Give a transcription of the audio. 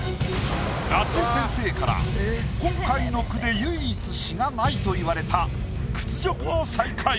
夏井先生から今回の句で「唯一詩がない」と言われた屈辱の最下位。